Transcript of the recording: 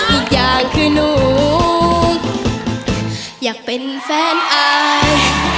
อีกอย่างคือหนูอยากเป็นแฟนอาย